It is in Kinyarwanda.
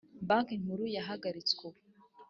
Banki Nkuru yahagaritswe ubu